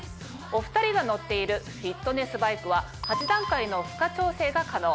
お２人が乗っているフィットネスバイクは８段階の負荷調整が可能。